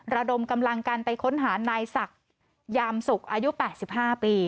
ระดมกำลังกันไปค้นหานายศักดิ์ยามสุกอายุ๘๕ปี